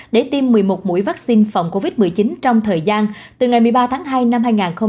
để tiêm một mươi một mũi vaccine phòng covid một mươi chín trong thời gian từ ngày một mươi ba tháng hai năm hai nghìn hai mươi